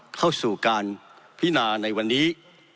เข้าสู่การพินาในวันนี้